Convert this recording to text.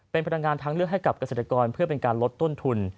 เป็นพลังงานทางเลือกให้กับเกษตรกรเพื่อเป็นการลดต้นทุน